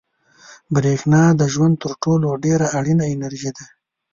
برېښنا د ژوند تر ټولو ډېره اړینه انرژي ده.